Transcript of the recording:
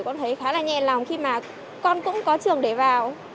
con thấy khá là nhẹ lòng khi mà con cũng có trường để vào